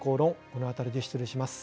このあたりで失礼いたします。